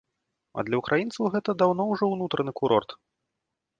А для ўкраінцаў гэта даўно ўжо ўнутраны курорт.